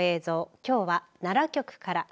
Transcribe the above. きょうは奈良局から。